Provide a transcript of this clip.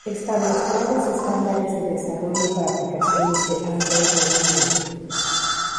Establecerá los estándares de desarrollo para aplicaciones de Android en China.